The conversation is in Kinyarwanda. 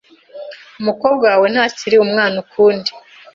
Umukobwa wawe ntakiri umwana ukundi .